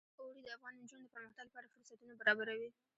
اوړي د افغان نجونو د پرمختګ لپاره فرصتونه برابروي.